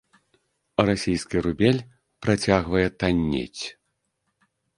Расійскі рубель працягвае таннець.